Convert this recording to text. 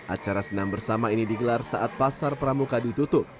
acara senam bersama ini digelar saat pasar pramuka ditutup